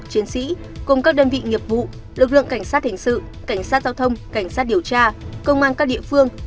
chiến sĩ cùng các đơn vị nghiệp vụ lực lượng cảnh sát hình sự cảnh sát giao thông cảnh sát điều tra công an các địa phương